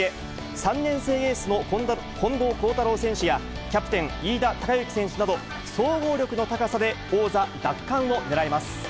３年生エースの近藤幸太郎選手や、キャプテン、飯田貴之選手など、総合力の高さで、王座奪還をねらいます。